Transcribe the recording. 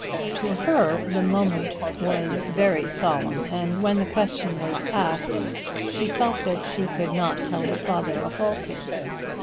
To her the moment was very solemn and when the question was asked she felt that she could not tell her father a falsehood.